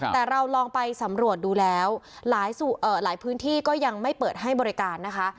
แต่เราลองไปสำรวจดูแล้วหลายพื้นที่ก็ยังไม่เปิดให้บริการนะคะ